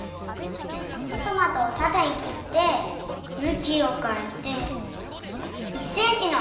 トマトをたてに切ってむきをかえて１センチのかく切りにします。